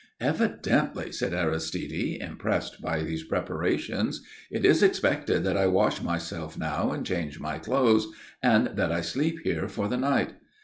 "Evidently," said Aristide, impressed by these preparations, "it is expected that I wash myself now and change my clothes, and that I sleep here for the night.